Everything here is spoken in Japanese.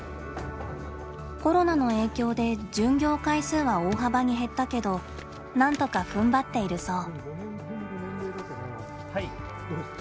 コロナの影響で巡業回数は大幅に減ったけどなんとかふんばっているそう。